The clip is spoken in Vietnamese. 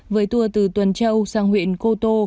với tour từ tuần châu sang huyện cô tô